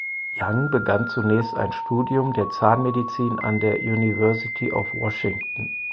Young begann zunächst ein Studium der Zahnmedizin an der University of Washington.